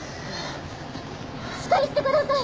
しっかりしてください！